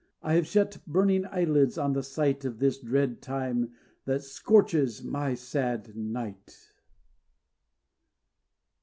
I have shut burning eyelids on the sight Of this dread time that scorches my sad night.